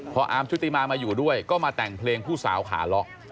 พออาร์มชุติมามาอยู่ด้วยก็มาแต่งเพลงผู้สาวขาเลาะ